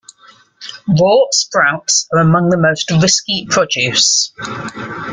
Raw sprouts are among the most risky produce.